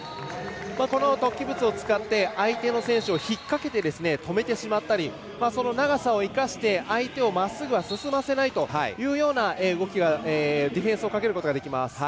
この突起物を使って相手の選手を引っ掛けて止めてしまったり長さを生かして相手をまっすぐは進ませないというような動きがディフェンスをかけることができます。